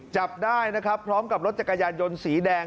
จับได้นะครับพร้อมกับรถจักรยานยนต์สีแดง